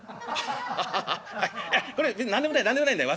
「アッハハハあっいやこれ何でもない何でもないんだよ